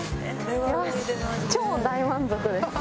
超大満足です。